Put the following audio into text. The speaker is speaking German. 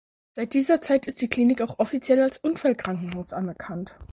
Seit dieser Zeit ist die Klinik auch offiziell als Unfallkrankenhaus anerkannt.